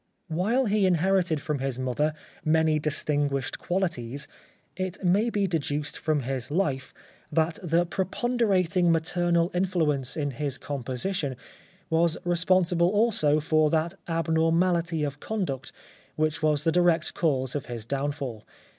vVhile he inherited from his mother many distinguished qualities, it may be deduced from his life that the preponderating maternal influ ence in his composition was responsible also for 34 The Life of Oscar Wilde that abnormality of conduct which was the direct cause of his downfall.